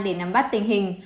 để nắm bắt tình hình